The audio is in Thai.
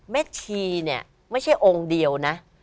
ชีเนี่ยไม่ใช่องค์เดียวนะ